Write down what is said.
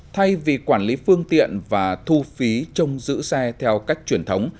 thay vì quản lý phương tiện và thu phí trong giữ xe theo cách truyền thống